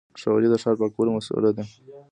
ښاروالي د ښار د پاکوالي مسووله ده